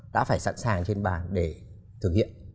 đã phải sẵn sàng trên bàn để thực hiện